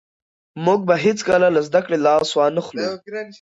موږ به هېڅکله له زده کړې لاس ونه اخلو.